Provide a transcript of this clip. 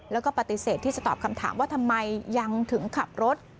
แล้วก็ปฏิเสธที่จะตอบคำถามว่าทำไมยังถึงขับรถ